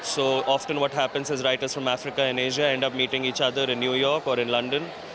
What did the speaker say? biasanya penulis dari afrika dan asia berjumpa di new york atau london